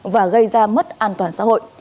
và gây ra mất an toàn xã hội